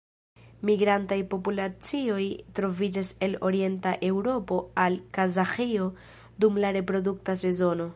Migrantaj populacioj troviĝas el Orienta Eŭropo al Kazaĥio dum la reprodukta sezono.